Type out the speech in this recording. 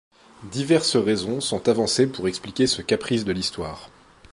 Diverses raisons sont avancées pour expliquer ce caprice de l'histoire.